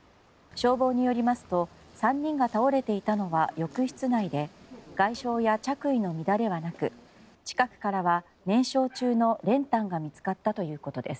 消防によりますと３人が倒れていたのは浴室内で外傷や着衣の乱れはなく近くからは燃焼中の練炭が見つかったということです。